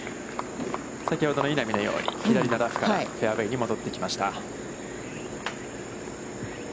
先ほどの稲見のように、左のラフからフェアウェイに戻ってきました。